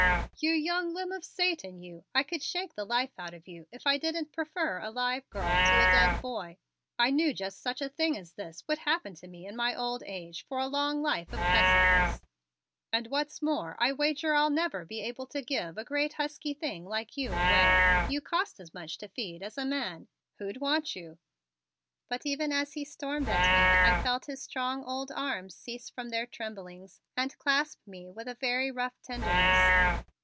"You young limb of Satan, you! I could shake the life out of you if I didn't prefer a live girl to a dead boy. I knew just such a thing as this would happen to me in my old age for a long life of cussedness. And what's more, I'll wager I'll never be able to give a great husky thing like you away. You cost as much to feed as a man. Who'd want you?" But even as he stormed at me I felt his strong old arms cease from their tremblings and clasp me with a very rough tenderness.